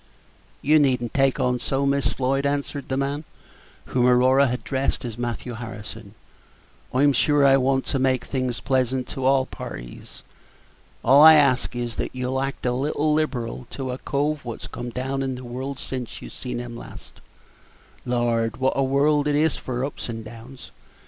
"You need n't take on so, Miss Floyd," answered the man, whom Aurora had addressed as Matthew Harrison; "I'm sure I want to make things pleasant to all parties. All I ask is, that you'll act a little liberal to a cove wot's come down in the world since you see him last. Lord, wot a world it is for ups and downs!